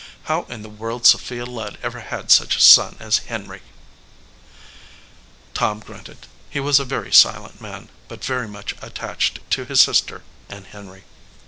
"How in the world Sophia Ludd ever had such a son as Henry !" Tom grunted. He was a very silent man, but very much attached to his sister and Henry.